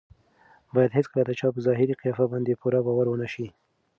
باید هېڅکله د چا په ظاهري قیافه باندې پوره باور ونه شي.